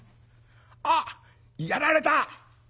あっやられた！」。